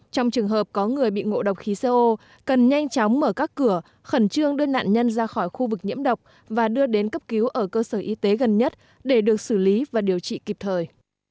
trong trường hợp có người bị ngộ độc khí co cần nhanh chóng mở các cửa khẩn trương đưa nạn nhân ra khỏi khu vực nhiễm độc và đưa đến cấp cứu ở cơ sở y tế gần nhất để được xử lý và điều trị kịp thời